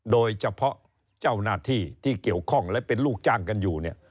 โดยเฉพาะเจ้าหน้าที่ที่เกี่ยวข้องและเป็นลูกจ้างกันอยู่เนี่ย